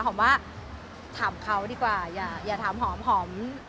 หอมว่าถามเขาดีกว่าอย่าถามหอม